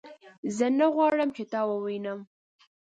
زه نه غواړم چې تا ووینم